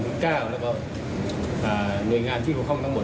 และนึงานที่วรูปห้องทั้งหมด